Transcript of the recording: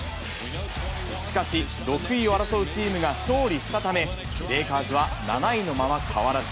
しかし、６位を争うチームが勝利したため、レイカーズは７位のまま変わらず。